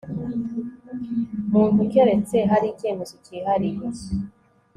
muntu keretse hari icyemezo cyihariye